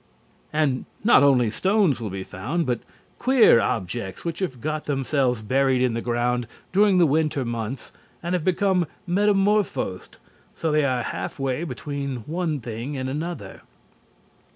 And not only stones will be found, but queer objects which have got themselves buried in the ground during the winter months and have become metamorphosed, so they are half way between one thing and another.